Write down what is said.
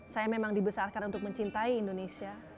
saya memang dibesarkan untuk mencintai indonesia